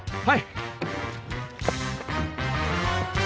はい。